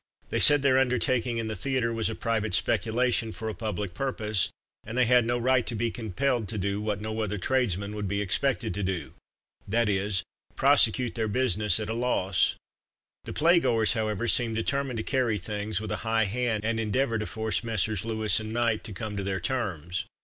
They said their undertaking in the theatre was a private speculation for a public purpose, and they had no right to be compelled to do, what no other tradesmen would be expected to do, that is, prosecute their business at a loss. The play goers, however, seemed determined to carry things with a high hand, and endeavour to force Messrs. Lewis and Knight to come to their terms.